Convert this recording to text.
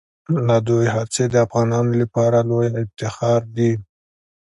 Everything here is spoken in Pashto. د دوی هڅې د افغانانو لپاره لویه افتخار دي.